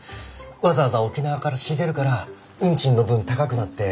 わざわざ沖縄から仕入れるから運賃の分高くなって。